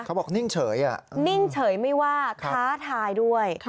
นิ่งเฉยนิ่งเฉยไม่ว่าท้าทายด้วย